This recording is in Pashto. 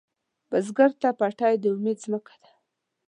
بزګر ته پټی د امید ځمکه ده